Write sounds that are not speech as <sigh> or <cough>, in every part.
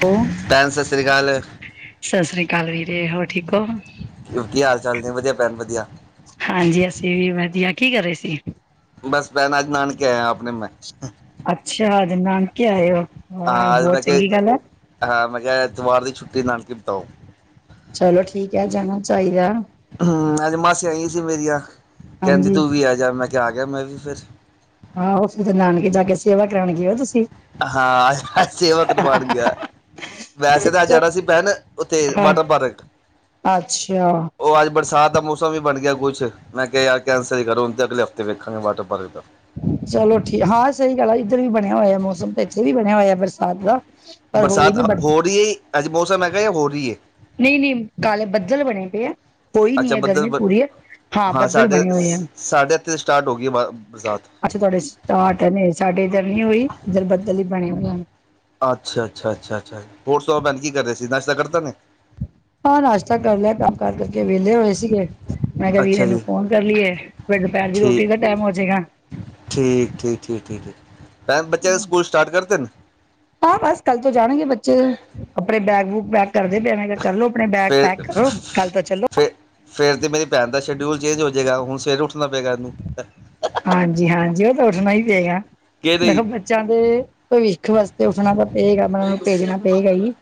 <inaudible> ਭੈਣ ਸਤਿ ਸ੍ਰੀ ਅਕਾਲ ਸਤਿ ਸ੍ਰੀ ਅਕਾਲ ਵੀਰੇ ਹੋਰ ਠੀਕ ਹੋ। ਕੀ ਹਾਲ ਚਾਲ ਨੇ ਵਧੀਆ ਭੈਣ ਵਧੀਆ। ਹਾਂਜੀ ਅਸੀਂ ਵੀ ਵਧੀਆ ਕੀ ਕਰ ਰਹੇ ਸੀ। ਬਸ ਭੈਣ ਅੱਜ ਨਾਨਕੇ ਆਇਆ ਆਪਣੇ ਮੈਂ ਅੱਛਾ ਅੱਜ ਨਾਨਕੇ ਆਏ ਹੋ। ਵਾਹ ਆਹ ਮੈ ਬਹੁਤ ਚੰਗੀ ਗੱਲ ਹੈ ਕਿਹਾ ਹਾ ਮੈ ਕਿਹਾ ਐਤਵਾਰ ਦੀ ਛੁੱਟੀ ਨਾਨਕੇ ਬਤਾਓ। ਚਲੋ ਠੀਕ ਹੈ ਜਾਣਾ ਚਾਹੀਦਾ। ਹੁੰ ਅਜ ਮਾਸੀਆਂ ਆਈ ਸੀ ਮੇਰੀਆਂ ਕਹਿੰਦੀ ਹਾਂਜੀ ਤੂੰ ਵੀ ਆ ਜਾ ਮੈਂ ਕਿਹਾ ਆ ਗਿਆ ਮੈਂ ਵੀ ਫਿਰ ਹਾ ਉਹ ਫਿਰ ਤੇ ਨਾਨਕੇ ਜਾ ਕੇ ਸੇਵਾ ਕਰਾਉਣਗੇ ਹੋ ਤੁਸੀਂ। ਹਾਂ ਸੇਵਾ ਕਰਵਾਣ ਗਿਆ। ਵੈਸੇ ਤਾਂ ਅਜ ਜਾਣਾ ਸੀ ਭੈਣ ਉੱਥੇ ਹਾਂ ਵਾਟਰ ਪਾਰਕ ਅੱਛਾ। ਉਹ ਅੱਜ ਬਰਸਾਤ ਦਾ ਮੌਸਮ ਵੀ ਬਣ ਗਿਆ ਕੁਛ ਮੈਂ ਕਿਹਾ ਯਾਰ ਕੈਂਸਲ ਹੀ ਕਰੋ ਤੇ ਅਗਲੇ ਹਫ਼ਤੇ ਵੇਖਾਂਗੇ ਵਾਟਰ ਪਾਰਕ ਦਾ। ਚਲੋ ਠੀਕ ਹਾਂ ਸਹੀ ਗੱਲ ਆ ਇੱਧਰ ਵੀ ਬਣਿਆ ਹੋਇਆ ਮੌਸਮ ਤੇ ਇੱਥੇ ਵੀ ਬਣਿਆ ਹੋਇਆ ਬਰਾਸਤ ਦਾ ਪਰ ਹੋਈ ਬਰਸਾਤ ਨਹੀਂ ਹੋ ਰਹੀ ਹੈ ਅੱਜ ਮੌਸਮ ਹੈਗਾ ਜਾਂ ਹੋ ਰਹੀ ਏ। ਨਹੀਂ ਨਹੀਂ ਕਾਲੇ ਬੱਦਲ ਬਣੇ ਪਏ ਹੈ ਹੋਈ ਨੀ ਅੱਛਾ ਹੈ ਬੱਦਲ ਗਰਮੀ ਬ ਪੂਰੀ ਹੈ। ਹਾਂ ਬੱਦਲ ਸਾਡੇ ਬਣੇ ਹੋਏ ਆ ਸਾਡੇ ਐਥੇ ਸਟਾਰਟ ਹੋ ਗਈ ਬ ਬਰਸਾਤ। ਅੱਛਾ ਤੁਹਾਡੇ ਸਟਾਰਟ ਨੀ ਸਾਡੇ ਇੱਧਰ ਨੀ ਹੋਈ ਇੱਧਰ ਬੱਦਲ ਹੀ ਬਣੇ ਹੋਏ ਹਨ। ਅੱਛਾ, ਅੱਛਾ, ਅੱਛਾ, ਅੱਛਾ ਹੋਰ ਸੁਣਾਓ ਭੈਣ ਜੀ ਕੀ ਕਰ ਰਹੇ ਸੀ ਨਸ਼ਤਾ ਕਰ ਲਿਤਾ ਨੇ। ਹਾਂ ਨਾਸ਼ਤਾ ਕਰ ਲਿਆ ਕੰਮ ਕਾਰ ਕਰਕੇ ਵਿਹਲੇ ਹੋਏ ਸੀਗੇ ਮੈਂ ਕਿਹਾ ਵੀਰੇ ਅੱਛਾ ਨੂੰ ਜੀ ਫੋਨ ਕਰ ਲਈਏ। ਫੇਰ ਦੁਪਹਿਰ ਦੀ ਠੀਕ ਰੋਟੀ ਦਾ ਟਾਈਮ ਹੋ ਜਾਏਗਾ। ਠੀਕ, ਠੀਕ ਠੀਕ, ਠੀਕ, ਠੀਕ ਭੈਣ ਬੱਚਿਆਂ ਨੇ ਸਕੂਲ ਸਟਾਰਟ ਕਰ ਦਿਤੇ ਨੇ ਹਾਂ ਬਸ ਕੱਲ ਤੋਂ ਜਾਣਗੇ ਬੱਚੇ ਕੱਪੜੇ ਬੈਗ ਵੂਗ ਪੈਕ ਕਰਦੇ ਪਏ ਨੇ ਮੈ ਕਿਹਾ ਕਰ ਲੋ ਆਪਣੇ ਬੈਗ ਫਿਰ ਪੈਕ ਕਰੋ ਕੱਲ ਤੋਂ ਚਲੋ ਫਿਰ ਫੇਰ ਤੇ ਮੇਰੀ ਭੈਣ ਦਾ ਸ਼ਡਿਊਲ ਚੇਂਜ ਹੋ ਜਾਏਗਾ ਹੁਣ ਸਵੇਰ ਉੱਠਣਾ ਪਏਗਾ ਇਹਨੂੰ ਹਾਂਜੀ, ਹਾਂਜੀ ਉਹ ਤਾਂ ਉੱਠਣਾ ਹੀ ਪਏਗਾ ਕਿ ਨਹੀਂ ਦੇਖੋ ਬੱਚਿਆਂ ਦੇ ਭਵਿੱਖ ਵਾਸਤੇ ਉੱਠਣਾ ਤਾਂ ਪਏਗਾ ਮਤਲਬ ਉਹਨੂੰ ਭੇਜਣਾ ਪਏਗਾ ਹੀ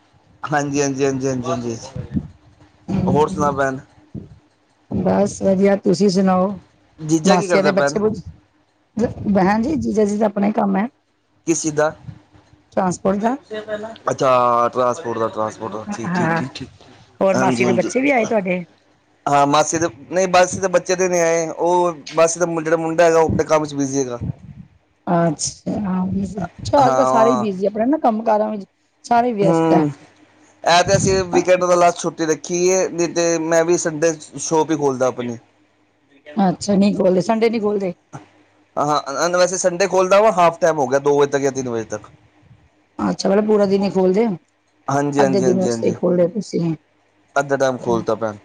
ਹਾਂਜੀ, ਹਾਂਜੀ, ਹਾਂਜੀ, ਹਾਂਜੀ ਹਾਂ ਹੋਰ ਸੁਣਾ ਭੈਣ ਬਸ ਵਧੀਆ ਤੁਸੀਂ ਸੁਣਾਓ। ਜੀਜਾ ਕੀ ਮਾਸੀਆਂ ਕਰਦਾ ਦੇ ਭੈਣ ਬੱਚੇ ਬੁਚੇ ਬਹਿ ਜੀ ਜੀਜਾ ਜੀਦਾ ਆਪਣਾ ਹੀ ਕੰਮ ਹੈ। ਕਿਸ ਚੀਜ਼ ਦਾ ਟਰਾਂਸਪੋਰਟ ਦਾ ਅੱਛਾ ਟਰਾਸਪੋਰਟ ਟਰਾਸ ਪੋਰਟ ਦਾ ਆ ਠੀਕ, ਠੀਕ, ਹਾਂ, ਠੀਕ, ਠੀਕ ਹੋਰ ਹਾਂਜੀ, ਮਾਸੀ ਦੇ ਹਾਂਜੀ। ਬੱਚੇ ਵੀ ਆਏ ਤੁਹਾਡੇ? ਹਾਂ ਮਾਸੀ ਦੇ ਨਹੀਂ ਬਸ ਮਾਸੀ ਦੇ ਬੱਚੇ ਦੇ ਨ ਆਏ ਉਹ ਮਾਸੀ ਦਾ ਜਿਹੜਾ ਮੁੰਡਾ ਹੈਗਾ ਉਹ ਆਪਣੇ ਕੰਮ ਚ ਬਿਜੀ ਹੈਗਾ। ਅੱਛਾ ਹਾਂ ਅੱਜ ਕੱਲ ਸਾਰੇ ਹੀ ਹਾਂ ਬਿਜੀ ਆਪਣੇ ਨਾ ਕੰਮ ਕਾਰਾਂ ਵਿੱਚ ਸਾਰੇ ਵਿਅਸਤ ਹੈ, ਹੁੰ ਇਹ ਤੇ ਅਸੀਂ ਵੀਐਡ ਦਾ ਲਾਸ ਛੁੱਟੀ ਦੇਖ ਕੀ ਹੈ ਨਈ ਤੇ ਮੈਂ ਵੀ ਸੰਡੇ ਸ਼ੋਪ ਹੀ ਖੋਲ੍ਹਦਾ ਆਪਣੀ ਅੱਛਾ ਨਹੀ ਖੋਲਦੇ ਸੰਡੇ ਨੀ ਖੋਲਦੇ। ਹਾਂ ਵੈਸੇ ਸੰਡੇ ਖੋਲਦਾ ਵਾ ਹਾਫ ਟੈਮ ਹੋ ਗਿਆ ਦੋ ਵਜੇ ਤੱਕ ਜਾਂ ਤਿੰਨ ਵਜੇ ਤੱਕ ਅੱਛਾ ਮਤਲਬ ਪੂਰਾ ਦਿਨ ਹੀ ਖੋਲਦੇ ਹਾਂਜੀ ਅੱਧੇ ਹਾਂਜੀ ਦਿਨ ਹਾਂਜੀ ਵਾਸਤੇ ਹੀ ਹਾਂਜੀ ਖੋਲਦੇ ਹੋ ਤੁਸੀਂ ਅੱਧਾ ਟਾਈਮ ਖੋਲ੍ਹਦਾ ਭੈਣ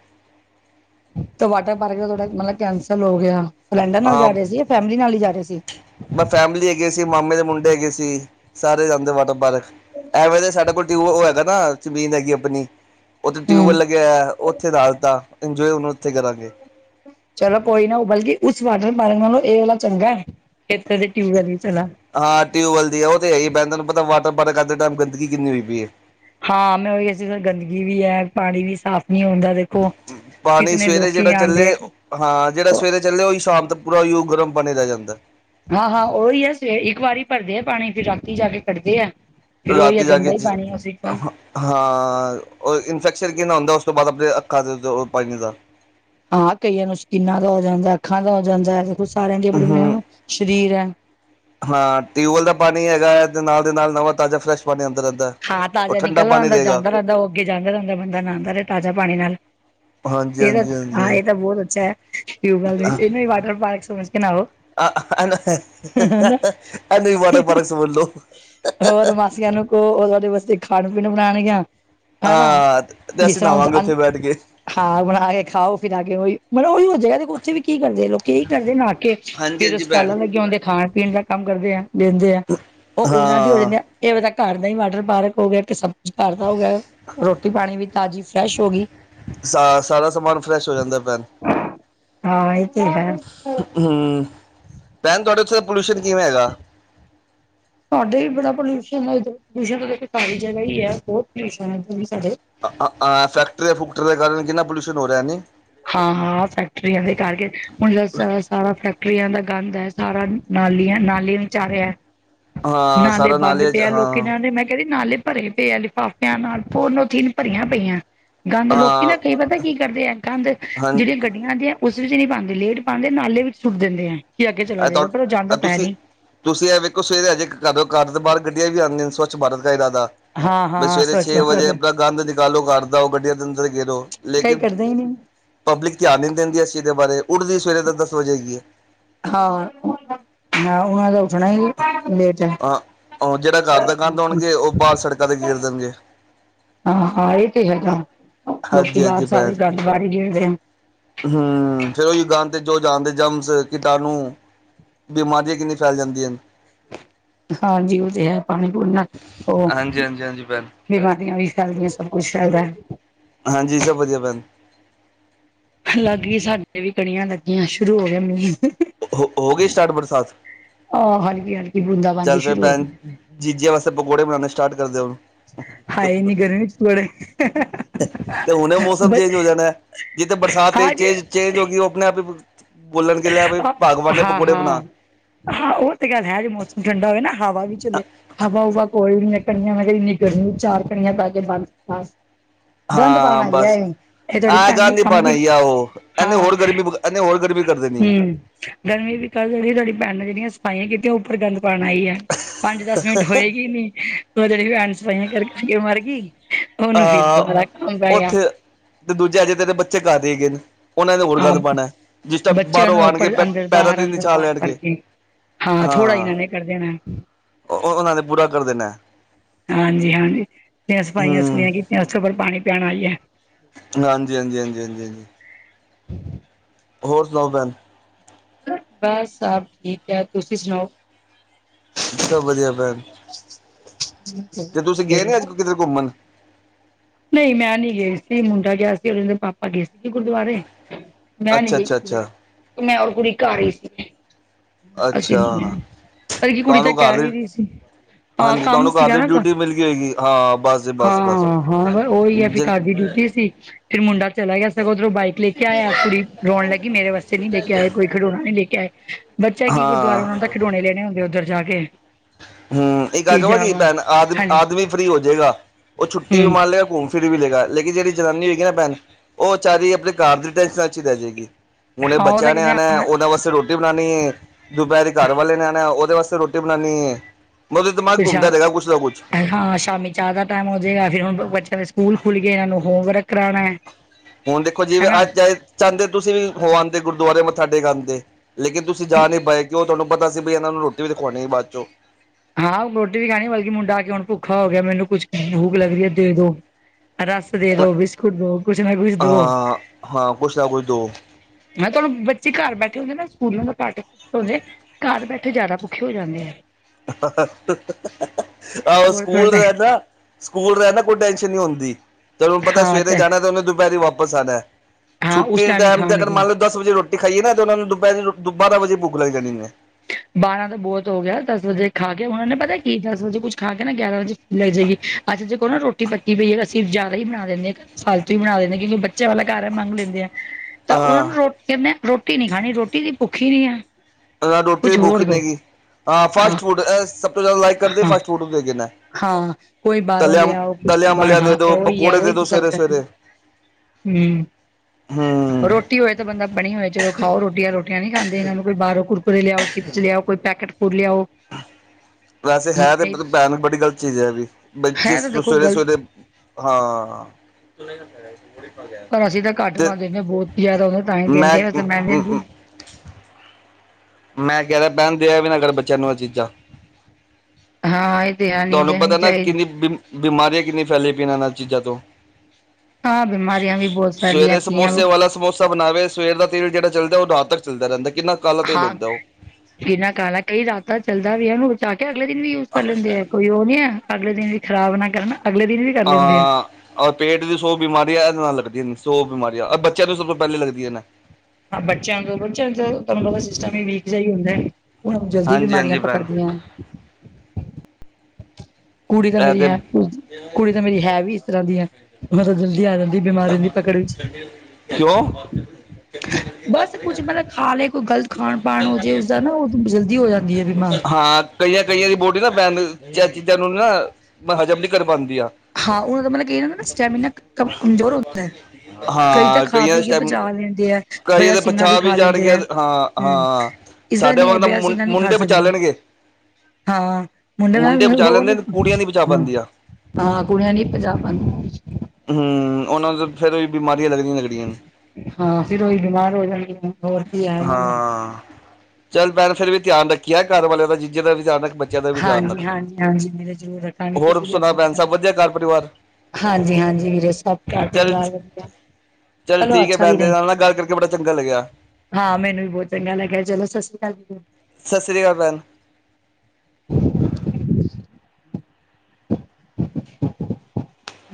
ਤੇ ਵਾਟਰ ਪਾਰਕ ਦਾ ਤੁਹਾਡਾ ਮਤਲਬ ਕੈਂਸਲ ਹੋ ਗਿਆ ਫਰੈਂਡਾਂ ਨਾਲ ਹਾਂ ਜਾ ਰਿਹਾ ਸੀ ਫੈਮਿਲੀ ਨਾਲ ਹੀ ਜਾ ਰਹੇ ਸੀ। ਮੈਂ ਫੈਮਿਲੀ ਹੈਗੀ ਸੀ ਮਾਮੇ ਦੇ ਮੁੰਡੇ ਹੈਗੇ ਸੀ ਸਾਰੇ ਜਾਂਦੇ ਵਾਟਰ ਪਾਰਕ ਐਵੇਂ ਸਾਡੇ ਕੋਲ ਟਿਊ ਉਹ ਹੈਗਾ ਨਾ ਜ਼ਮੀਨ ਹੈਗੀ ਆਪਣੀ ਉੱਥੇ ਟਿਊਬਵੈਲ ਹੂੰ ਲੱਗਿਆ ਹੋਇਆ ਉਹ ਉੱਥੇ ਨਹਾ ਦਿੱਤਾ ਇੰਜੋਏ ਹੁਣ ਉੱਥੇ ਕਰਾਂਗੇ। ਚਲੋ ਕੋਈ ਨਾ ਉਹ ਬਲਕਿ ਉਸ ਵਾਟਰ ਪਾਰਕ ਨਾਲੋਂ ਇਹ ਵਾਲਾ ਚੰਗਾ ਐ। ਤੇ ਟਿਊਬ ਨਹੀ ਚਲਾ ਹਾਂ ਟਿਊਬਵੈਲ ਦੀ ਆ ਉਹ ਤੇ ਹੈ ਏ ਭੈਣ ਤੁਹਾਨੂੰ ਪਤਾ ਵਾਟਰ ਵਾਟਰ ਕਰਦੇ ਟਾਈਮ ਗੰਦਗੀ ਕਿੰਨੀ ਹੋਈ ਪਈ ਏ ਹਾਂ ਮੈਂ ਉਹੀ ਅ ਸੀ ਗੰਦਗੀ ਵੀ ਹੈ ਪਾਣੀ ਵੀ ਸਾਫ਼ ਨਹੀਂ ਆੳਦਾ। ਪਾਣੀ ਕਿਤਨੇ ਸਵੇਰੇ ਲੋਕੀ ਜਿਹੜਾ ਆਣਗੇ। ਚੱਲੇ ਹਾਂ ਜਿਹੜਾ ਸਵੇਰੇ ਚੱਲ ਜੇ ਉਹੀ ਸ਼ਾਮ ਤੱਕ ਪੂਰਾ ਉਹੀ ਓ ਗਰਮ ਪਾਣੀ ਰਹਿ ਜਾਂਦਾ ਏ। ਹਾਂ ਹਾਂ ਉਹੀ ਹੈ ਸਵੇਰੇ ਇੱਕ ਵਾਰੀ ਭਰਦੇ ਆ ਪਾਣੀ ਫਿਰ ਰਾਤੀ ਜਾ ਕੇ ਕੱਢਦੇ ਆ। ਫਿਰ ਉਹੀ ਆ ਰਾਤੀ ਜਾ ਗੰਦਾ ਕੇ ਹੀ ਚ ਪਾਣੀ ਉਸ ਸੀ ਤਾਂ ਹਾਂ ਉਹ ਇਨਫੈਕਸ਼ਨ ਕਿੰਨਾ ਹੁੰਦਾ ਉਸ ਤੋਂ ਬਾਅਦ ਆਪਣੇ ਅੱਖਾਂ ਤੇ ਉਹ ਪਾਣੀ ਦਾ। ਹਾਂ ਕਈਆਂ ਨੂੰ ਸਕੀਨਾ ਦਾ ਹੋ ਜਾਂਦਾ ਅੱਖਾਂ ਦਾ ਹੋ ਜਾਂਦਾ ਹੈ। ਦੇਖੋ ਸਾਰਿਆਂ ਦੀ ਆਪਣੇ ਹਮ ਸਰੀਰ ਹੈ। ਹਾਂ ਟਿਊਬਵੈਲ ਦਾ ਪਾਣੀ ਹੈਗਾ ਹੈ ਨਾਲ ਦੇ ਨਾਲ ਨਵਾਂ ਤਾਜ਼ਾ ਫਰੈਸ਼ ਪਾਣੀ ਆਦਾ ਰਹਿੰਦਾ। ਹਾਂ ਉਹ ਤਾਜ਼ਾ ਠੰਡਾ ਨਿਕਲਦਾ ਪਾਣੀ ਹੁੰਦਾ ਦੇਗਾ ਜਾਂਦਾ, ਰਹਿੰਦਾ ਉਹ ਅੱਗੇ ਜਾਂਦਾ ਰਹਿੰਦਾ ਬੰਦਾ ਨਾਦਾ ਰਿਹਾ ਤਾਜ਼ਾ ਪਾਣੀ ਨਾਲ। ਹਾਂਜੀ ਇਹ ਤਾਂ ਹਾਂਜੀ ਹਾਂਜੀ ਹਾਂ ਹਾਂਜੀ ਇਹ ਤਾਂ ਬਹੁਤ ਅੱਛਾ ਹੈ, ਟਿਊਬਵੈਲ ਇਹਨੂੰ ਵੀ ਵਾਟਰ ਪਾਰਕ ਸਮਝ ਕੇ ਨਾਓ। ਆ ਬ ਹਨਾ ਇਹਨੂੰ ਹੀ ਵਾਟਰ ਪਾਰਕ ਸਮਝ ਲਓ। ਹੋਰ ਮਾਸੀਆਂ ਨੂੰ ਕਹੋ ਉਹਦੇ ਵਾਸਤੇ ਖਾਣ ਪੀਣ ਬਣਾਉਣਗੀਆਂ। ਹਨਾ ਹਾਂ ਤੇ ਜਿਸ ਅਸੀਂ ਨਾਵਾਂਗੇ ਤਰ੍ਹਾਂ ਹੁਣ ਉੱਥੇ ਬੈਠ ਕੇ। ਹਾਂ ਬਣਾ ਕੇ ਖਾਓ ਫਿਰ ਆ ਕੇ ਓਹੀ ਮਤਲਬ ਓਹੀ। ਜਗ੍ਹਾ ਦੇਖੋ, ਉੱਥੇ ਵੀ ਕੀ ਕਰਦੇ ਲੋਕ ਇਹੀ ਕਰਦੇ ਨਹਾ ਕੇ ਹਾਂਜੀ ਫ਼ੇਰ ਹਾਂਜੀ ਸਟਾਲਾ ਭੈਣ ਲੱਗੇ ਆਦੇ ਖਾਣ ਪੀਣ ਦਾ। ਕੰਮ ਕਰਦੇ ਆ ਲੈਂਦੇ ਆ, ਉਹ ਉਹਨਾਂ ਦੀ ਹੋ ਹਾਂ ਜਾਂਦੇ ਆ, ਇਹ ਤਾਂ ਘਰ ਦਾ ਹੀ ਵਾਟਰ ਪਾਰਕ ਹੋ ਗਿਆ, ਕਿ ਸਭ ਕੁਝ ਘਰ ਦਾ ਹੋ ਗਿਆ। ਰੋਟੀ ਪਾਣੀ ਵੀ ਤਾਜ਼ੀ ਫਰੈਸ਼ ਹੋ ਗਈ। ਸਾ ਸਾਰਾ ਸਮਾਨ ਫਰੈਸ਼ ਹੋ ਜਾਂਦਾ ਭੈਣ ਹਾਂ ਇਹ ਤੇ ਹੈ। ਹੂੰ ਭੈਣ ਤੁਹਾਡੇ ਉੱਥੇ ਪੋਲਿਊਸ਼ਨ ਕਿਵੇਂ ਹੈਗਾ। <inaudible> ਸਾਡੇ ਵੀ ਬੜਾ ਪੋਲਿਊਸ਼ਨ ਹੈ, ਇਧਰ ਪੋਲਿਉਸ਼ਨ ਸਾਰੀ ਜਗ੍ਹਾ ਹੀ ਹੈ, ਬਹੁਤ ਪੋਲਿਉਸ਼ਨ ਐ ਵੀ ਸਾਡੇ। ਫੈਕਟਰੀਆਂ ਫੂਕਟਰੀਆਂ ਦੇ ਕਾਰਨ ਕਿੰਨਾ ਪੋਲਿਊਸ਼ਨ ਹੋ ਰਿਹਾ ਨੀ। ਹਾਂ, ਹਾਂ, ਫੈਕਟਰੀਆਂ ਦੇ ਕਰਕੇ ਹੁਣ ਜੇ ਸਾਰਾ ਫੈਕਟਰੀਆਂ ਦਾ ਗੰਦ ਹੈ। ਸਾਰਾ ਨਾਲੀਆਂ ਨਾਲੀ ਵਿਚ ਜਾ ਰਿਹਾ। ਹਾਂ ਨਾਲੇ ਸਾਰਾ ਬੰਦ ਪਿਆ, ਲੋਕੀ ਹਾਂ ਕਹਿੰਦੇ ਮੈਂ ਕਹਿ ਰਹੀ ਨਾਲੇ ਭਰੇ ਪਏ ਆ ਲਿਫਾਫਿਆਂ, ਨਾਲ ਫੋਨੋਥੀਨ ਭਰੀਆਂ ਪਈਆਂ ਗੰਦ ਲੋਕੀ ਨਾ ਹਾਂ ਕਈ ਪਤਾ ਕੀ ਕਰਦੇ ਆ। ਗੰਦ ਹਾਂ ਜਿਹੜੀਆਂ ਗੱਡੀਆਂ ਆਦੀਆਂ, ਉਸ ਵਿੱਚ ਨਹੀ ਪਾਦੇ ਲੇਟ ਪਾਦੇ, ਨਾਲੇ ਵਿੱਚ ਸੁੱਟ ਦਿੰਦੇ ਆ। ਕੀ ਅੱਗੇ ਚਲਾ ਐ ਜਾਏਗਾ, ਪਰ ਉਹ ਜਾਂਦਾ ਤੁਹਾ ਤਾਂ ਹੈ ਤੁਸੀਂ ਨਹੀਂ। ਤੁਸੀਂ ਇਹ ਵੇਖੋ ਸਵੇਰੇ ਹਜੇ ਕਰਓ, ਘਰ ਦੇ ਬਾਹਰ ਗੱਡਆ ਵੀ ਆਉਂਆਂ ਨੇ ਸਵੱਛ ਭਾਰਤ ਦਾ ਇਰਾਦਾ। ਹਾਂ ਬ ਹਾਂ ਸਵੇਰੇ ਸੱਚ ਛੇ ਵਜੇ ਗੰਦ ਨਿਕਾਲੋ ਘਰਦਾ ਓ ਗੱਡੀਆਂ ਦੇ ਅੰਦਰ ਗੇਰੋ ਕਈ ਲੇਕਿਨ। ਕਰਦੇ ਹੀ ਨਹੀਂ ਪਬਲਿਕ ਧਿਆਨ ਨੀ ਦਿੰਦੀ, ਇਸ ਚੀਜ਼ ਦੇ ਬਾਰੇ ਉੱਠਦੀ ਸਵੇਰੇ ਤੋਂ ਦਸ ਵਜੇਗੀ ਹੈ। ਹਾਂ, ਨਾ ਉਹਨਾਂ ਦਾ ਜਣਾ ਹੀ ਲੇਟ ਐ। ਹਾਂ ਜਿਹੜਾ ਘਰ ਦਾ ਗੰਦ ਹੋਣਗੇ ਉਹ ਬਾਹਰ ਸੜਕਾਂ ਤੇ ਗੇਰ ਦੇਣਗੇ ਹਾਂ, ਹਾਂ ਇਹ ਤੇ ਹੈਗਾ, ਹਾਂਜੀ ਲੋਕੀ ਹਾਂਜੀ ਬਾਹਰ ਸਾਰੇ ਗੱਲ ਬਾਰੇ <unintelligible> ਹੂੰ, ਫੇਰ ਓਹੀ ਗੰਦ ਤੇ ਜੋ ਜਾਨ ਦੇ ਜਮਸ ਕੀਟਾਨੂ। ਬਿਮਾਰੀਆਂ ਕਿੰਨੀ ਫੈਲ ਜਾਂਦੀਆਂ ਨ। ਹਾਂਜੀ, ਉਹ ਤੇ ਹੈ, ਪਾਣੀ ਪੂਣੀ ਨਾਲ ਉਹ ਹਾਂਜੀ ਹਾਂਜੀ ਹਾਂਜੀ ਭੈਣ ਬਿਮਾਰੀਆਂ ਵੀ ਫੈਲਦੀਆਂ, ਸਭ ਕੁੱਛ ਫੈਲਦਾ। ਹਾਂਜੀ, ਸਭ ਵਧੀਆ ਭੈਣ। ਲੱਗ ਗੀ ਸਾਡੇ ਵੀ, ਕਣੀਆਂ ਲੱਗੀਆਂ ਸ਼ੁਰੂ ਹੋ ਗਿਆ ਮੀਂਹ। ਹੋ, ਹੋ ਗੀ ਸਟਾਰਟ ਬਰਸਾਤ? ਆਹੋ ਹਲਕੀ-ਹਲਕੀ ਬੂੰਦਾ ਬਾਂਦੀ ਸ਼ੁਰੂ ਹੋ ਗੀ ਐ। ਜੀਜੇ ਵਾਸਤੇ ਪਕੌੜੇ ਬਣਾਣੇ ਸਟਾਰਟ ਕਰ ਦੇਓ। ਹਾਏ ਇੰਨੀ ਗਰਮੀ ਚ ਤੇ ਹੁਨੇ ਮੌਸਮ ਚੇਂਜ ਹੋ ਬੜੇ ਜਾਨਾ ਐ। ਜਿੱਥੇ ਬਰਸਾਤ ਤੇ ਹਾਂ ਜੀ ਚੇਂਜ-ਚੇਂਜ ਹੋ ਗੀ, ਉਹ ਆਪਨੇ ਆਪ ਹੀ ਬੋਲਣ ਗੇ ਲੈ ਭਈ ਭਾਗਵਾਨੇ ਹਾਂ ਪਕੌੜੇ ਬਨਾ। ਹਾਂ ਹਾਂ ਉਹ ਤੇ ਗੱਲ ਹੈ ਜੇ ਮੌਸਮ ਠੰਡਾ ਹੋਵੇ ਨਾ, ਹਵਾ ਵੀ ਚੱਲੇ ਹਵਾ ਹੁਵਾ ਕੋਈ ਨੀ ਲ ਕਣੀਆਂ ਮੈਂ ਕਿਹਾ ਇੰਨੀ ਗਰਮੀ ਚਾਰ ਕਣੀਆਂ ਪਾ ਕੇ <unintelligible> ਦੰਦ ਪਾਣ ਹਾਂ ਆਈ ਆ, ਬਸ ਇਹ ਤੁਹਾਡੀ ਐ ਭੈਣ ਨੇ ਕੰਮ ਹਾਂ ਐਨੇ ਹੋਰ ਗਰ ਹੂੰ, ਗਰਮੀ ਵੀ ਕੱਲ ਜਿਹੜੀ ਤੁਹਾਡੀ ਭੈਨ ਨੇ ਜਿਹੜੀਆਂ ਸਫਾਈਆਂ ਕੀਤੀਆਂ ਉੱਪਰ, ਗੰਦ ਪਾਨ ਆਈ ਐ। ਪੰਜ ਦਸ ਮਿੰਟ ਹੋਏਗੀ ਨੀ, ਤੇ ਓ ਜਿਹੜੀ ਭੈਣ ਸਫਾਈਆਂ ਕਰਕੇ-ਕਰਕੇ ਮਰ ਗਈ। ਉਹਨੂੰ ਫਿਰ ਦੋਬਾਰਾ ਅਹ <unintelligible> ਉੱਥੇ ਤੇ ਦੂਜੇ ਅਜੇ ਤੇਰੇ ਬੱਚੇ ਘਰ ਈ ਹੈਗੇ ਨ। ਉਹਨਾਂ ਨੇ ਹੋਰ ਹਾਂ ਗੰਦ ਪਾਣਾ ਐ, ਜਿਸ ਟੈਮ ਬੱਚਿਆਂ ਬਾਹਰੋਂ ਨੂੰ ਆਨ ਕੇ ਉੱਪਰ ਅੰਦਰ ਪੈਰਾਂ ਬਾਹਰ ਦੇ ਅੰਦਰ ਨਿਛਾਣ ਬਾਹਰ ਲੈਣਗੇ। ਕਰਕੇ ਥੋੜਾ ਹਾਂ, ਇਹਨਾਂ ਨੇ ਕਰ ਦੇਣਾ ਓ ਉਹਨਾਂ ਦੇ ਪੂਰਾ ਕਰ ਦੇਨਾ ਐ। ਹਾਂਜੀ-ਹਾਂਜੀ, ਤੇ ਸਫਾਈਆਂ ਹੂੰ ਸਫੂਆਂ ਕੀਤੀਆਂ, ਉਸ ਉੱਪਰ ਪਾਣੀ ਪੈਣਾ ਈ ਐ। ਹਾਂਜੀ, ਹਾਂਜੀ, ਹਾਂਜੀ, ਹਾਂਜੀ, ਹਾਂਜੀ। ਹੋਰ ਸੁਣਾਓ ਭੈਨ। ਬਸ ਸਭ ਠੀਕ ਹੈ, ਤੁਸੀਂ ਸੁਨਾਓ। ਸਭ ਵਧੀਆ ਭੈਨ ਤੇ ਤੁਸੀਂ ਗਏ ਨੀ ਅੱਜ ਕਿਧਰੇ ਘੁੰਮਨ? ਨਹੀਂ ਮੈਂ ਨੀ ਗਈ ਸੀ, ਮੁੰਡਾ ਗਿਆ ਸੀ ਔਰ ਓਦੇ ਪਾਪਾ ਗਏ ਸੀਗੇ ਗੁਰਦੁਆਰੇ। ਮੈਂ ਨੀ ਅੱਛਾ ਗਈ ਅੱਛਾ ਅੱਛਾ ਕਿਤੇ ਮੈਂ ਔਰ ਕੁੜੀ ਘਰ ਹੀ ਸੀਗੇ। ਅੱਛਾ। ਬਲਕਿ ਕੁੜੀ ਤਾਂ ਤੁਹਾਨੂੰ ਘਰ ਕਹਿ ਦੀ ਵੀ ਰੀ ਸੀ। ਹਾਂ ਹਾਂਜੀ ਕੰਮ ਤੁਹਾਨੂੰ ਘਰ ਸੀਗਾ ਦੀ ਨਾ, ਡਿਊਟੀ ਮਿਲ ਗਈ ਹੋਏਗੀ ਹਾਂ ਬਸ ਜੀ ਬਸ ਬਸ ਹਾਂ, ਹਾਂ ਉਹੀ ਐ ਫੇਰ ਜ ਘਰ ਦੀ ਡਿਊਟੀ ਸੀ। ਫਿਰ ਮੁੰਡਾ ਚਲਾ ਗਿਆ, ਸਗੋਂ ਉਧਰੋਂ ਬਾਈਕ ਲੈ ਕੇ ਆਇਆ ਕੁੜੀ ਰੋਣ ਲੱਗੀ ਮੇਰੇ ਵਾਸਤੇ ਨੀ ਲੈ ਕੇ ਆਏ ਕੋਈ ਖਿਡੌਣਾ ਨੀ ਲੈ ਕੇ ਆਏ, ਬੱਚਾ ਕੀ ਗੁਰਦੁਆਰੇ ਉਹਨਾਂ ਤਾਂ ਹਾਂ ਖਿਡੌਣੇ ਲੈਣੇ ਹੁੰਦੇ ਉੱਧਰ ਜਾ ਕੇ। ਹੂੰ, ਇੱਕ ਗਲ ਕਿ ਕਵਾ ਦੀ ਜਾਵਾਂ ਭੈਣ ਆਦਮੀ ਹਾਂਜੀ ਆਦਮੀ ਫਰੀ ਹੋ ਜੇਗਾ, ਉਹ ਛੁੱਟੀ ਹੂੰ ਵੀ ਮਾਰ ਲੇਗਾ ਘੂਮ ਫ਼ੀਰ ਵੀ ਲੇਗਾ ਲੇਕਿਨ ਜਿਹੜੀ ਜਨਾਨੀ ਹੋਏਗੀ ਨਾ ਭੈਨ, ਓ ਵੇਚਾਰੀ ਆਪਣੇ ਘਰ ਦੀ ਟੈਨਸਨਾ ਚ ਹੀ ਰਹਿ ਜੇਗੀ। ਹੁਨੇ ਹਾਂ ਉਹ ਤਾਂ ਬੱਚਿਆਂ ਨੇ ਕਹਿੰਦੇ ਆਨਾ ਐ ਆਣਾ ਓਨਾਂ ਵਾਸਤੇ ਰੋਟੀ ਬਣਾਣੀ ਐ, ਦੁਪਹਿਰ ਘਰਵਾਲੇ ਨੇ ਆਨਾ ਉਹਦੇ ਵਾਸਤੇ ਰੋਟੀ ਬਨਾਨੀ ਐ, ਮਤਲਬ ਦਿਮਾਗ ਫਿਰ ਘੁੰਮਦਾ ਸ਼ਾਮ ਰਹੇਗਾ ਕੁਛ ਨਾ ਕੁਛ। ਹਾਂ ਸ਼ਾਮੀ ਚਾਹ ਦਾ ਟਾਈਮ ਹੋ ਜੇਗਾ ਫਿਰ ਹੁਨ ਬੱਚਿਆਂ ਦੇ ਸਕੂਲ ਖੁੱਲ ਗਏ ਹੁਨ ਹੋਮਵਰਕ ਕਰਾਣਾ ਐ। ਹੁਣ ਦੇਖੋ, ਜਿਵੇਂ ਅੱਜ਼ ਚਾਏ ਚਾਂਦੇ ਤੁਸੀਂ ਵੀ ਹੋ ਆਂਦੇ ਗੁਰਦੁਆਰੇ ਮੱਥਾ ਟੇਕ ਆਂਦੇ। ਲੇਕਿਨ ਤੁਸੀਂ ਜਾ ਨਹੀਂ ਪਾਏ ਕਿਉਂ ਤੁਹਾਨੂੰ ਪਤਾ ਸੀ ਬਈ ਏਨਾਂ ਨੂੰ ਰੋਟੀ ਵੀ ਤੇ ਖ਼ਵਾਨੀ ਬਾਦ ਚੋਂ। ਹਾਂ ਰੋਟੀ ਵੀ ਖਾਣੀ ਬਲਕਿ ਮੁੰਡਾ ਆ ਕੇ ਹੁਣ ਭੁੱਖਾ ਹੋ ਗਿਆ ਮੈਨੂੰ ਕੁਛ ਭੂਖ ਲੱਗ ਰਹੀ ਹੈ ਦੇ ਦੋ। ਰਸ ਦੇ ਦੋ, ਬਿਸਕੁਟ ਦੋ, ਕੁਛ ਨਾ ਕੁਛ ਦੋ। ਹਾਂ ਹਾਂ ਕੁਛ ਨਾ ਕੁਛ ਦੋ ਮੈਂ ਤੁਹਾਨੂੰ ਬੱਚੇ ਘਰ ਬੈਠੇ ਹੁੰਦੇ ਨਾ ਸਕੂਲਾਂ <unintelligible> ਹੋ ਜਏ ਘਰ ਬੈਠੇ ਜ਼ਿਆਦਾ ਭੁੱਖੇ ਹੋ ਜਾਂਦੇ ਐ। ਆਹੋ ਥੋੜੇ ਥੋੜੇ ਸਕੂਲ ਟਾਈਮ ਰਹਿਨ ਨਾ ਸਕੂਲ ਰਹਿਨ ਕੋਈ ਟੈਂਸ਼ਨ ਨਹੀਂ ਹੁੰਦੀ, ਤੁਹਾਨੂੰ ਪਤਾ ਸਵੇਰੇ ਜਾਣਾ ਤੇ ਓਨੇ ਦੁਪਹਿਰੀ ਵਾਪਸ ਆਨਾ ਐ। ਹਾਂ ਉਸ ਛੁੱਟੀ ਦੇ ਹੀ ਟਾਈਮ ਤੇ ਅਗਰ ਖਾਣਗੇ ਮੰਨ ਲਓ ਦਸ ਵਜੇ ਰੋ ਟੀ ਖਾਈਏ ਨਾ ਤੇ ਉਹਨਾਂ ਨੂੰ ਦੁਪਹਿਰ ਦੁ ਬਾਰਾਂ ਵਜੇ ਭੁਗ ਲੱਗ ਜਾਂਣੀ ਨੇ। ਬਾਰਾਂ ਦਾ ਬੋਤ ਹੋ ਗਿਆ ਦਸ ਵਜੇ ਖਾ ਕੇ ਓਨਾਂ ਨੇ ਪਤਾ ਕੀ ਦਸ ਵਜੇ ਕੁੱਛ ਖਾ ਕੇ ਨਾ ਗਿਆਰਾਂ ਵਜੇ ਲੈ ਜਾਈਏ। ਅੱਂਜ ਦੇ ਕੋਨਾ, ਰੋਟੀ ਪੱਕੀ ਪਈ ਹੈ। ਅਸੀਂ ਜ਼ਿਆਦਾ ਹੀ ਬਣਾ ਦਿੰਦੇ ਹਾਂ ਫਾਲਤੂ ਹੀ ਬਣਾ ਦਿੰਦੇ ਆ। ਕਿਉਂਕਿ ਬੱਚਿਆਂ ਵਾਲਾ ਘਰ ਹੈ, ਮੰਗ ਲੈਂਦੇ ਆ। ਤਾਂ ਉਹਨਾਂ ਨੂੰ, ਰੋ ਹਾਂ ਕਹਿੰਦੇ ਰੋਟੀ ਨੀ ਖਾਣੀ, ਰੋਟੀ ਦੀ ਭੁੱਖੀ ਹੀ ਨਹੀਂ ਹੈ। ਹਾ, ਰੋਟੀ ਦੀ ਕੁਛ ਭੁੱਖ ਹੋਰ ਹੀ ਨਹੀਂ ਦੋ ਹੈਗੀ। ਆ ਹਾਂ ਫਾਸਟ ਫੂਡ ਏ ਸਭ ਤੋਂ ਜਯਾਦਾ, ਲਾਈਕ ਕਰਦੇ ਹਾਂ ਫਾਸਟ ਫੂਡ ਕੀ ਕਿਨਾ। ਹਾਂ ਕੋਈ ਬਾਹਰੋਂ ਲਿਆਓ, ਕੁਛ ਮਲਿਆ ਦੇ ਹਾਂ ਦੋ ਓਈ ਹੈ ਪਕੌੜੇ ਦੇ ਓਈ, ਦੋ ਪਸੰਦ ਸਵੇਰੇ ਕਰਦੀ ਸਵੇਰੇ ਹੂੰ, ਰੋਟੀ ਹੂੰ ਰਟੀ ਹੋਏ ਤਾਂ, ਬਂਦਾ ਬਣੀ ਹੋਏ, ਚਲੋ ਖਾਓ ਰੋਟੀਆਂ। ਰੋਟੀਆਂ ਨੀ ਖਾਂਦੇ, ਇਹ ਨੂੰ ਕੋਈ ਬਾਹਰ ਲਿਆਓ, ਚਿਪਸ ਲਿਆਓ, ਕੋਈ ਪੈਕੇਟ ਫੂਡ ਲਿਆਓ। ਵੈਸੇ ਹੈ ਤੇ, ਇਹ ਭੈਨ ਬੜੀ ਗ਼ਲਤ ਚੀਜ਼ ਹੈ ਵੀ। ਬੱਚੇ ਹੈ ਤਾਂ ਦੇਖੋ ਸਵੇਰੇ- ਗਲਤ ਸਵੇਰੇ ਹਾਂ ਪਰ ਅਸੀਂ ਤਾਂ, ਘੱਟ ਤੇ ਬਧ ਦਿੰਦੇ ਹਾਂ। ਬਹੁਤ ਜ਼ਿਆਦਾ ਉਹਨ ਤਾਂ ਹੀ, ਦਿੰਦੇ ਆ। ਨਹੀਂ ਤੇ ਮੈਂ ਨੀ ਦਿੰਦੀ। ਮੈਂ ਕਹਿ ਰਿਹਾ ਭੈਟ, ਦਯਾ ਵੀ ਨਾ ਕਰ, ਬੱਚਿਆਂ ਨੂੰ ਇਹ ਚੀਜ਼ਾਂ। ਹਾਂ ਏ, ਤੇ ਹੇ। ਤੁਹਾਨੂੰ ਪਤਾ ਨਾ, ਕਿੰਨੀ ਬਿਮਾਰੀਆਂ, ਕਿੰਨੀ ਫੈਲੀ ਪਈ ਇਹਨਾਂ ਚੀਜ਼ਾਂ ਤੋਂ। ਹਾਂ, ਬਿਮਾਰੀਆਂ ਵੀ ਬਹੁਤ, ਫੈਲੀਆਂ ਪਈਆਂ ਵ। ਤਾ ਬਣਾਵੇ, ਸਵੇਰ ਦਾ ਤੇਲ ਜਿਹੜਾ, ਚੱਲਦਾ ਉਹ ਰਾਤ ਤਕੱ ਚਲਦਾ ਰਹਿੰਦਾ। ਕਿੰਨਾ ਕਾਲਾ ਤੇਲ ਹੁੰਦਾ ਉਹ। ਕਿਨਾ ਕਾਲਾ। ਕਈ ਰਾਤ ਤਕ ਚੱਲਦਾ ਵੀ ਹੈ। ਅਗਲੇ ਦਿਨ ਵੀ ਯੂਜ ਕਰ ਲੈਂਦੇ ਆ। ਕੋਈ ਉਹ ਨੀ ਹੈਗਾ। ਅਗਲੇ ਦਿਨ ਵੀ, ਖਰਾਬ ਨਾ ਕਰਨ। ਅਗਲੇ ਦਿਨ ਵੀ ਕਰ ਅ ਲੈਂਦੇ ਆ ਔਰ ਪੇਟ ਦੀ, ਸੌ ਬਿਮਾਰੀਆਂ ਇਹਦੇ ਨਾਲ ਲੱਗਦੀਆਂ ਸਨ। ਸੌ ਬਿਮਾਰੀਆਂ, ਔਰ ਬੱਚਿਆਂ ਨੂੰ ਸਭ ਤੋਂ ਪਹਿਲੇ ਲੱਗਦੀਆਂ ਨੇ। ਹਾਂ ਬੱਚਿਆਂ, ਨੂੰ ਬੱਚਿਆਂ ਤੋਂ ਤੁਹਾਨੂੰ ਪਦਾ ਸਿਸਟਮ ਹੀ ਵੀਕ ਜਿਆ ਹੀ ਹੁੰਦਾ। ਓਹਨਾ ਨੂੰ ਜਲਦੀ, ਹਾਂਜੀ ਬਿਮਾਰੀਆਂ ਹਾਂਜੀ ਭੈਣ ਪਕੜਦੀਆਂ। ਕੁੜੀ ਤਾਂ ਇਹ ਮੇਰੀ ਤੇ ਹੈ ਵੀ, ਕੁੜੀ ਤਾਂ ਮੇਰੀ ਹੈ ਵੀ। ਇਸ ਤਰਾਂ ਦੀ ਹੈ। ਮਤਲਬ ਜਲਦੀ ਆ ਜਾਂਦੀ ਬਿਮਾਰੀ ਦੀ ਪਕੜ ਵਿੱਚ। ਕਿਉਂ ਬਸ ਕੁੱਝ, ਮਤਲਬ ਖਾ ਲੈ, ਕੋਈ ਗ਼ਲਤ ਖਾਣ ਪਾਣ ਹੋਜੇ। ਉਸਦਾ ਨਾ ਓ ਜਲਦੀ ਹੋ, ਜਾਂਦੀ ਐ ਬਿਮਾਰ। ਹਾਂ, ਕਈਆਂ-ਕਈਆਂ, ਦੀ ਬੋਡੀ ਨਾ ਪੈਣ ਚੀਜ਼ਾਂ ਨੂੰ ਨਾ, ਹਜ਼ਮ ਨੀ ਕਰ ਪਾਂਦੀਆਂ। ਹਾਂ, ਓਨਾ ਦਾ ਮਤਲਬ, ਕੀ ਕਈਆਂ ਦਾ ਨਾ ਸਟੈਮੀਨਾ ਤਾਂ ਕਮਜ਼ੋਰ ਹੁੰਦਾ ਏ। ਕਈ ਤਾਂ ਹਾਂ ਖਾ ਕਈਆਂ ਪੀ ਇਸ ਕੇ, ਟਾਈਮ ਪਚਾ ਲੈਂਦੇ ਐ ਕਈ ਤੇ <unintelligible> ਵੀ ਬਚਾ ਖਾ ਲੈਂਦੇ ਜਾਣਗੇ ਐ। ਹਾਂ, ਹਾਂ, ਸਾਡੇ ਵਾਂਗ ਤਾਂ। ਮੁੰ ਬਯਾਸੀਨਾ ਨੀ ਖਾ ਮੁੰਡੇ ਬਚਾ ਸਕਦੀ ਲੈਣਗੇ। ਹਾਂ ਮੁੰਡੇ <unintelligible> ਬਚਾ ਲੈਂਦੇ ਕੁੜੀਆਂ ਨੀ ਬਚਾ ਹੂੰ, ਪਾਉਂਦੀਆਂ ਹਾਂ ਕੁੜੀਆਂ ਨੀ, ਪਚਾ ਪਾਂਦੀਆਂ। ਹੂੰ। ਓਨਾਂ ਨੂੰ ਤੇ ਫੇਰ ਊਵੀ ਬਿਮਾਰੀਆਂ ਲੱਗਦੀਆਂ-ਲੱਗਦੀਆਂ ਨੇ। ਹਾਂ, ਫੇਰ ਓਹੀ, ਬਿਮਾਰ ਹੋ ਜਾਂਦੇ ਆਂ। ਹਾਂ, ਚੱਲ ਭੈਣ ਫੇਰ ਵੀ, ਧਿਆਨ ਰੱਖੀ। ਹੈ ਘਰ ਵਾਲਿਆਂ ਦਾ, ਜੀਜੇ ਦਾ ਵੀ ਧਿਆਨ ਰੱਖ ਬੱਚਿਆਂ ਦਾ ਵੀ ਧਿਆਨ ਰੱਖ। ਹਾਂਜੀ ਹਾਂਜੀ ਹਾਂਜੀ ਵੀਰੇ ਜ਼ਰੂਰ ਰੱਖਾਂਗੇ ਹੋਰ ਸੁਣਾ ਭੈਣ ਸਾਬ ਵਧੀਆ ਘਰ ਪਰਿਵਾਰ? ਹਾਂਜੀ-ਹਾਂਜੀ, ਵੀਰੇ ਸਭ ਚੱਲ ਪਰਿਵਾਰ ਵਧੀਐ। ਚੱਲ ਠੀਕ ਐ, ਭੈਣ ਤੇਰੇ ਨਾਲ ਨਾ, ਗੱਲ ਕਰਕੇ ਬੜਾ ਚੰਗਾ ਲੱਗਿਆ। ਹਾਂ, ਮੈਨੂੰ ਵੀ ਬੋਤ ਚੰਗਾ ਲੱਗਿਆ। ਚਲੋ ਸਤਿ ਸ੍ਰੀ ਅਕਾਲ ਜੀ। ਸਤਿ ਸ਼੍ਰੀ ਆ ਭੈਣ। <unintelligible>